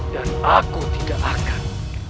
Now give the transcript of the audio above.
dan aku tidak akan